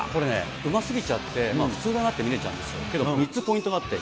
これね、うますぎちゃって、普通だなって見れちゃうんですよ、けど、３つポイントがあって。